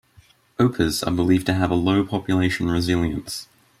Opahs are believed to have a low population resilience.